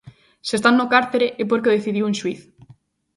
Se están no cárcere é porque o decidiu un xuíz.